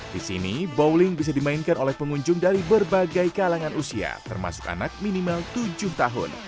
di sini bowling bisa dimainkan oleh pengunjung dari berbagai kalangan usia termasuk anak minimal tujuh tahun